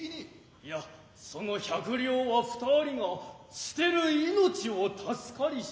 いや其百両は二人が捨てる命を助かりし。